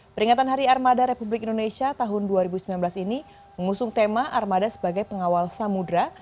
peringatan hari armada republik indonesia tahun dua ribu sembilan belas ini mengusung tema armada sebagai pengawal samudera